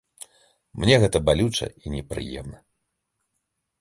Мне гэта балюча і непрыемна.